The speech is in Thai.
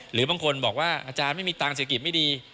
หรือบางคนบอกว่าอาจารย์ไม่มีตังค์เศรษฐกิจไม่ดี